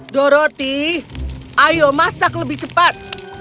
doroti ayo masak lebih cepat